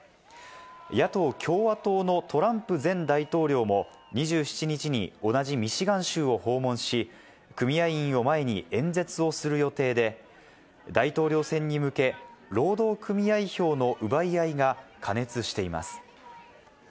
野党・共和党のトランプ前大統領も、２７日に同じミシガン州を訪問し、組合員を前に演説をする予定で、大統領選に向け、労働組合票の奪い合いが過熱しています。